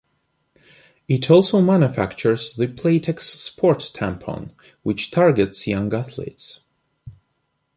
It also manufactures the Playtex Sport tampon, which targets young athletes.